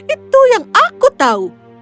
itu yang aku tahu